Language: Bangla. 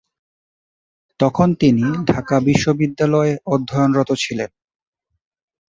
তখন তিনি ঢাকা বিশ্ববিদ্যালয়ে অধ্যয়নরত ছিলেন।